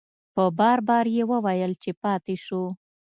په بار بار یې وویل چې پاتې شو.